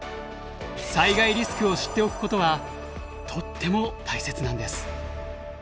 「災害リスク」を知っておくことはとっても大切なんです。